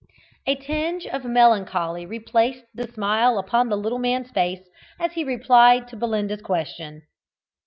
A tinge of melancholy replaced the smile upon the little man's face as he replied to Belinda's question.